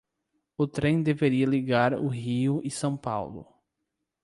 O trem deveria ligar o Rio e São Paulo.